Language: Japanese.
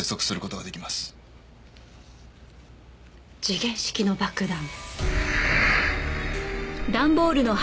時限式の爆弾。